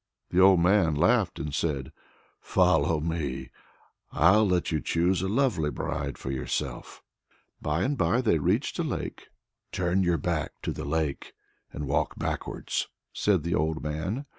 '" The old man laughed and said: "Follow me, I'll let you choose a lovely bride for yourself." By and by they reached a lake. "Turn your back to the lake and walk backwards," said the old man.